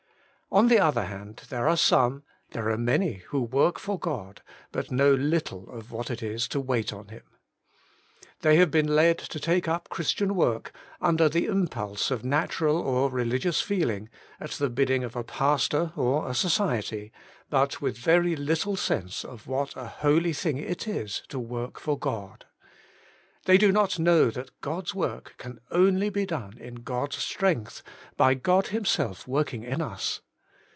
On the other hand, there are some, there are many, who work for God, but know little of what it is to wait on Him. They have been led to take up Christian work, under the impulse of natural or religious feeling, at the bidding of a pastor or a society, with but very little sense of what a holy thing it is to work for God. They do not know that God's work can only be done in God's strength, by God Himself working in lis.